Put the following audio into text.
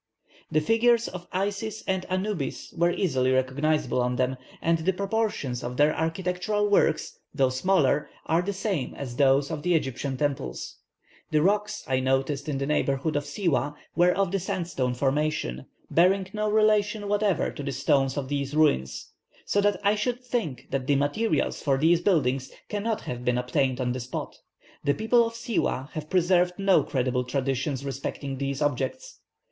The figures of Isis and Anubis are easily recognizable on them, and the proportions of their architectural works, though smaller, are the same as those of the Egyptian temples. "The rocks I noticed in the neighbourhood of Siwâh were of the sandstone formation, bearing no relation whatever to the stones of these ruins; so that I should think that the materials for these buildings cannot have been obtained on the spot. The people of Siwâh have preserved no credible traditions respecting these objects.